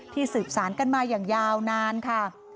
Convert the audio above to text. สืบสารกันมาอย่างยาวนานค่ะ